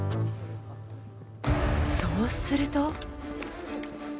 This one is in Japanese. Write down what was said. そうすると。